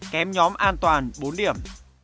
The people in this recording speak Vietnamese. kém nhóm an toàn bốn điểm